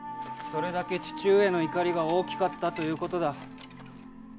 それだけ父上の怒りが大きかったということだ。